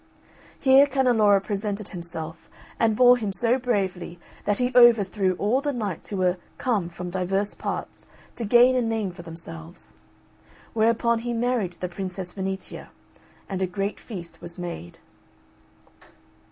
Here Canneloro presented himself and bore him so bravely that he overthrew all the knights who were come from divers parts to gain a name for themselves. Whereupon he married the Princess Fenicia, and a great feast was made.